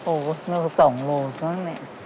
โอ้นั่นคือ๒โลซะนะแม่